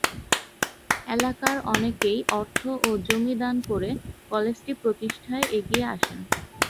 এলাকার অনেকেই অর্থ ও জমি দান করে কলেজটি প্রতিষ্ঠায় এগিয়ে আসেন।